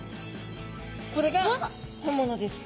これが本物です。